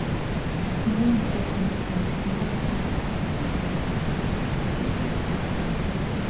Ambao wamekuwa wakiendesha harakati zao mashariki mwa Kongo tangu miaka ya elfu moja mia tisa tisini.